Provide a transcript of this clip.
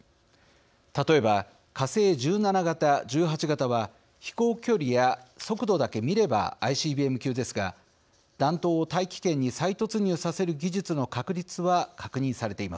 例えば火星１７型・１８型は飛行距離や速度だけ見ればＩＣＢＭ級ですが弾頭を大気圏に再突入させる技術の確立は確認されていません。